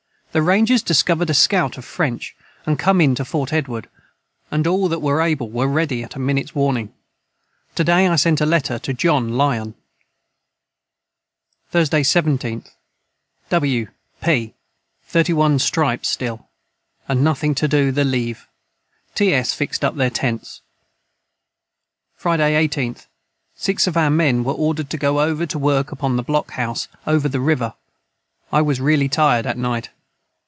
The ranjers discoverd a scout of French & com in to Fort Edward and all that were able were ready at a minits warning to day I sent a Letter to John Lyon. Thursday 17th. w, p, 31 stripes stil & Nothing to do the Liev.ts fixed up their tents. Friday 18th. 6 of our men were ordered to go over to work upon the Block House over the river I was raly tired at night.